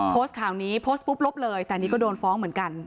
โพสต์ข่าวนี้โพสต์ปุ๊บลบเลยแต่นี่ก็โดนฟ้องเหมือนกัน